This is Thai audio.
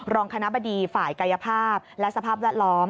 รองคณะบดีฝ่ายกายภาพและสภาพแวดล้อม